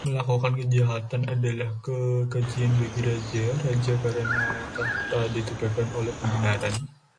Melakukan kejahatan adalah kekejian bagi raja-raja karena takhta ditegakkan oleh kebenaran.